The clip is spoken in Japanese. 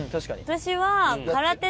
私は。